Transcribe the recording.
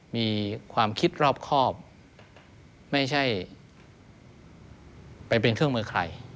มีความคิดรอบครอบไม่ใช่ไปเป็นเครื่องมือใคร